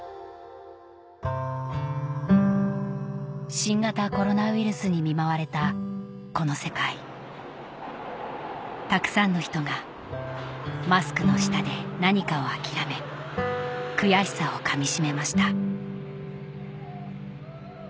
新型コロナウイルスに見舞われたこの世界たくさんの人がマスクの下で何かを諦め悔しさをかみしめました